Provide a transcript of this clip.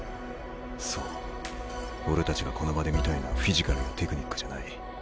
そう俺たちがこの場で見たいのはフィジカルやテクニックじゃない。